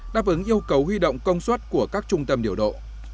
đáp ứng yêu cầu huy động công suất của các trung tâm điều độ